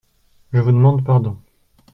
Je vous demande pardon.